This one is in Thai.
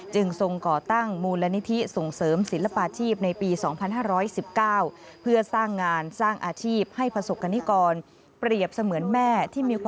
จึงทรงก่อตั้งมูลนิธิส่งเสริมศิลปาอาชีพในปี๒๕๑๙